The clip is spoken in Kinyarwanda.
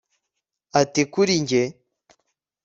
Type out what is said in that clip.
ati kuri njye